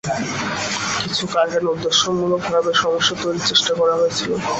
কিছু কারখানায় উদ্দেশ্যমূলকভাবে সমস্যা তৈরির চেষ্টা করা হয়েছিল।